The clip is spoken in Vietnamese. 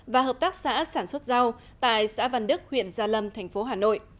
và hợp tác xã sản xuất rau tại xã văn đức huyện gia lâm tp hà nội